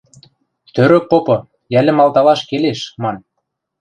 Тӧрӧк попы, йӓлӹм алталаш келеш, ман.